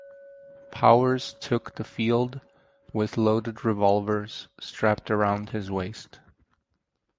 Powers took the field with loaded revolvers strapped around his waist.